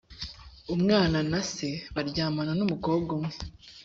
umwana na se baryamana n umukobwa umwe